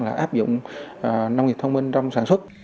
là áp dụng nông nghiệp thông minh trong sản xuất